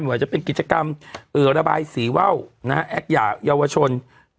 มีการเป็นกิจกรรมปืนระบายสีวาวแอกส์ยาเยาวชน